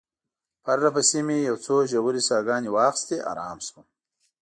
پرله پسې مې یو څو ژورې ساه ګانې واخیستې، آرام شوم.